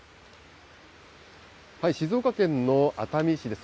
静岡県の熱海市です。